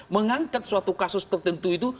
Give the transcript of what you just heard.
mengangkat suatu kasus tertentu itu